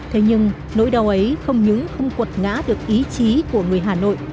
thế nhưng nỗi đau ấy không những không quật ngã được ý chí của người hà nội